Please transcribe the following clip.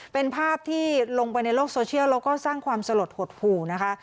เป็นภาพที่ลงไปในโลกโซเชียลแล้วก็สร้างความสลดหดหู่นะคะ